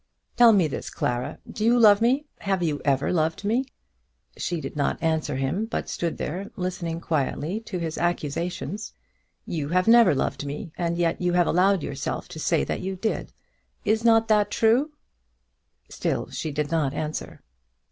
"Tell me this, Clara; do you love me? Have you ever loved me?" She did not answer him, but stood there, listening quietly to his accusations. "You have never loved me, and yet you have allowed yourself to say that you did. Is not that true?" Still she did not answer.